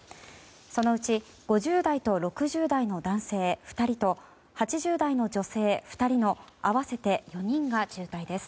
そのうち５０代と６０代の男性２人と８０代の女性２人の合わせて４人が重体です。